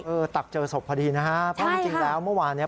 ตักเจอศพพอดีนะฮะเพราะจริงแล้วเมื่อวานเนี่ย